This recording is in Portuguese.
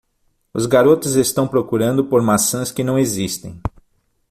Os garotos estão procurando por maçãs que não existem.